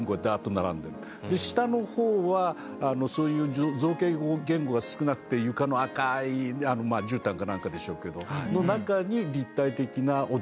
下のほうはそういう造形言語が少なくて床の赤いじゅうたんか何かでしょうけどの中に立体的なオダリスクがいると。